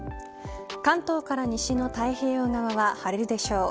関東から西の太平洋側は晴れるでしょう。